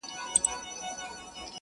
يو څو ضمير فروشه وو راټول په يو ټغر